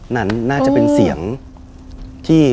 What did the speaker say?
นั่นน่าจะเป็นเสียงที่